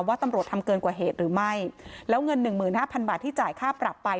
ว่าตำรวจทำเกินกว่าเหตุหรือไม่แล้วเงินหนึ่งหมื่นห้าพันบาทที่จ่ายค่าปรับไป